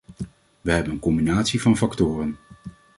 We hebben een combinatie van factoren.